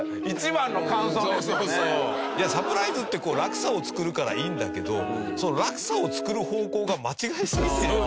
サプライズってこう落差を作るからいいんだけどその落差を作る方向が間違いすぎてる。